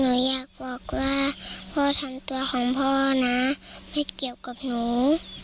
หนูอยากบอกว่าพ่อทำตัวของพ่อนะไม่เกี่ยวกับหนู